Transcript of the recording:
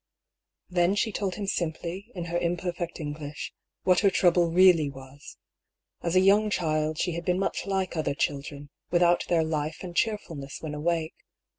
Then she told him simply, in her imperfect English, what her trouble really was. As a young child, she had been much like other children, without their life and cheerfulness when awake.